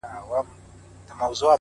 • دا عجیب منظرکسي ده، وېره نه لري امامه.